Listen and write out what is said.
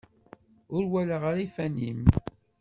Ur walaɣ ara iffan-im?